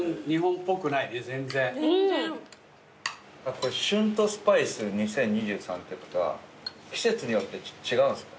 これ「旬とスパイス２０２３」ってことは季節によって違うんすか？